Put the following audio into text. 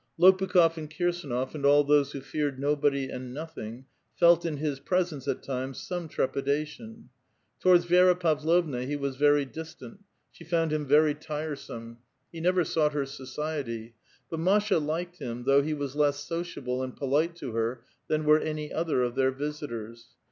Lopukh6f and Kirsdnof , and all those who feared nobody and nothing, felt in his presence, at times, some trepidation, Towaixls Vi^ra Pavlovna he was very distant. She found him very tiresome. He never sought her society. But Masha liked him, though he was less sociable and polite to her than were any other of their visitors.